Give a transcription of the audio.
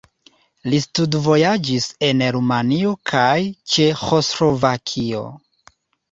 Li studvojaĝis en Rumanio kaj Ĉeĥoslovakio.